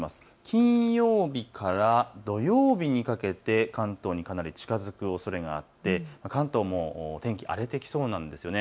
金曜日から土曜日にかけて関東にかなり近づくおそれがあって関東も天気が荒れてきそうなんです。